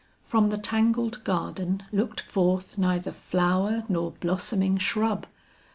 From the tangled garden looked forth neither flower nor blossoming shrub.